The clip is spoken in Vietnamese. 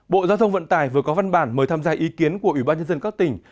bộ giao thông vận tải vừa có văn bản mời tham gia ý kiến của ủy ban nhân dân các tỉnh